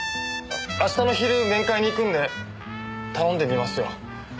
明日の昼面会に行くんで頼んでみますよ。